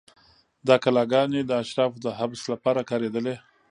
دا کلاګانې د اشرافو د حبس لپاره کارېدلې.